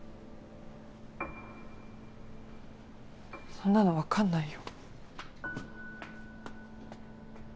そんなの分かんないよ。